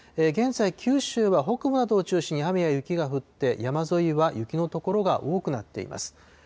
現在、九州は北部などを中心に雨や雪が降って、山沿いは雪の所が多くなっています。